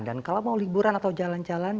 dan kalau mau liburan atau jalan jalan